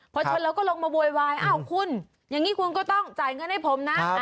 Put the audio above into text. พอชนแล้วก็ลงมาโวยวายอ้าวคุณอย่างนี้คุณก็ต้องจ่ายเงินให้ผมนะ